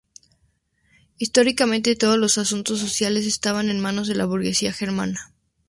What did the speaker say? Históricamente todos los asuntos sociales estaban en manos de la burguesía germana.